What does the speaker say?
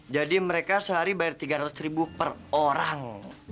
jadi mereka sehari bayar tiga ratus ribu per orang